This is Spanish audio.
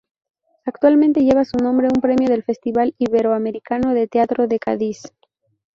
Actualmente lleva su nombre un premio del Festival Iberoamericano de Teatro de Cádiz.